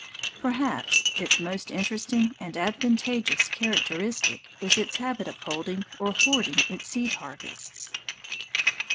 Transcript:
Perhaps its most interesting and advantageous characteristic is its habit of holding or hoarding its seed harvests.